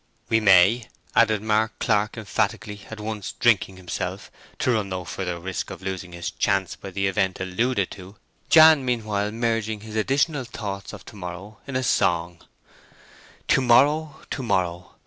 "We may," added Mark Clark, emphatically, at once drinking himself, to run no further risk of losing his chance by the event alluded to, Jan meanwhile merging his additional thoughts of to morrow in a song:— To mor row, to mor row!